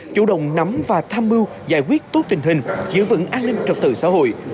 chủ động nắm và tham mưu giải quyết tốt tình hình giữ vững an ninh trật tự xã hội